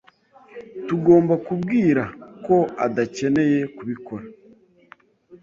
Tugomba kubwira ko adakeneye kubikora?